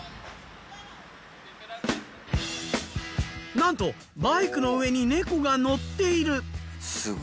なんとバイクの上にネコが乗っている。